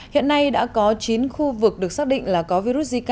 hiện nay đã có chín khu vực được xác định là có virus zika